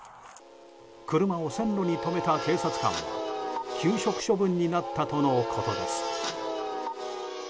車を線路に止めた警察官は休職処分になったとのことです。